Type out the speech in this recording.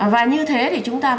và như thế thì chúng ta